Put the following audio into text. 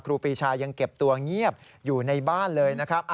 ครูปีชายังเก็บตัวเงียบอยู่ในบ้านเลยนะครับ